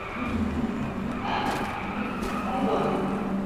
石川県津幡町